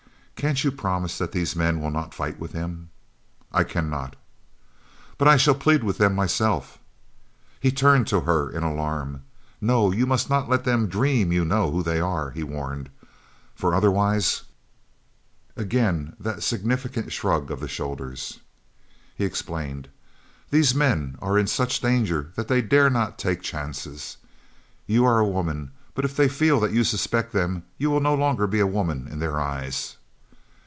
"Can't you promise that these men will not fight with him?" "I cannot." "But I shall plead with them myself." He turned to her in alarm. "No, you must not let them dream you know who they are," he warned, "for otherwise " Again that significant shrug of the shoulders. He explained: "These men are in such danger that they dare not take chances. You are a woman, but if they feel that you suspect them you will no longer be a woman in their eyes."